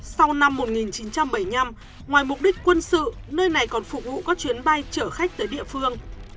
sau năm một nghìn chín trăm bảy mươi năm ngoài mục đích quân sự nơi này còn phục vụ các chuyến bay chở khách tới địa phương